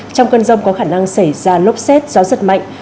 trong cơn rông có khả năng xảy ra lốc xét gió giật mạnh